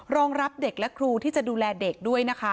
รองรับเด็กและครูที่จะดูแลเด็กด้วยนะคะ